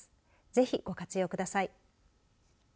ぜひ、ご活用ください。